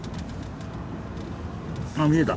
あ見えた！